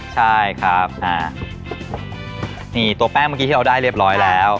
ใช่ครับนี่ตัวแป้งเมื่อกี้ที่เราได้เรียบร้อยแล้ว